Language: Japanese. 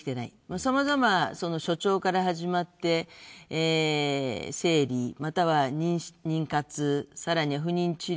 さまざまな初潮から始まって、生理、または妊活さらに、不妊治療。